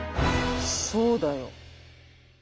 そうだよ。